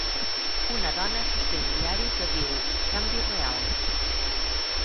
Una dona sosté un diari que diu "Canvi real".